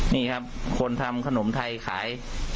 นี่ครับคนทำขนมไทยขาย